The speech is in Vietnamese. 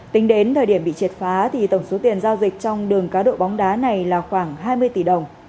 tính đến thời điểm bị triệt phá tổng số tiền giao dịch trong đường cá độ bóng đá này là khoảng hai mươi tỷ đồng